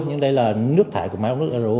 nhưng đây là nước thải của máy đọc nước ro